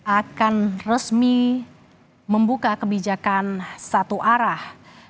akan resmi membuka kebijakan satu arah